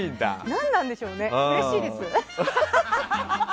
何なんでしょうねうれしいです。